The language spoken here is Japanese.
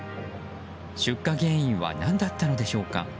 出火原因は何だったのでしょうか。